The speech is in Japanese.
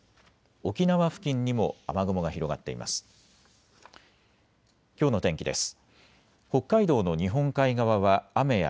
沖縄付近にも雨雲が広がっています。